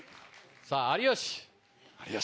さぁ有吉。